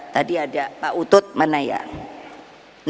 tadi ada pak utut manayan